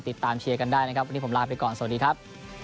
เชียร์กันได้นะครับวันนี้ผมลาไปก่อนสวัสดีครับ